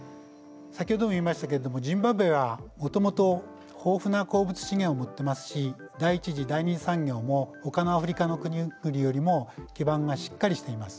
先ほども言いましたけれどもジンバブエはもともと豊富な鉱物資源を持ってますし第１次第２次産業もほかのアフリカの国々よりも基盤がしっかりしています。